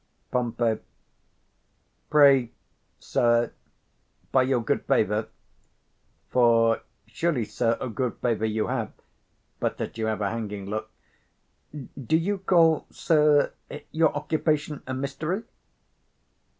_ Pom. Pray, sir, by your good favour, for surely, sir, a good favour you have, but that you have a hanging look, do you call, sir, your occupation a mystery?